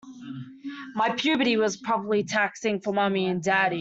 My puberty was probably taxing for mommy and daddy.